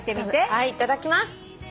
はいいただきます。